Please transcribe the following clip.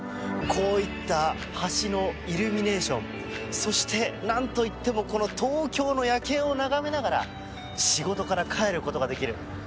こういった橋のイルミネーションそして、なんと言ってもこの東京の夜景を眺めながら仕事から帰ることができる。